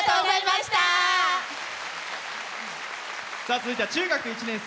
続いては、中学１年生。